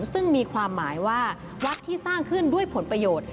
ซึ่งมีความหมายว่าวัดที่สร้างขึ้นด้วยผลประโยชน์